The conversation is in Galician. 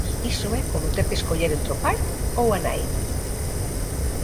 Iso e como ter que escoller entre o pai ou a nai.